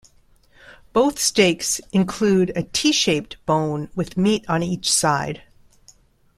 Both steaks include a "T-shaped" bone with meat on each side.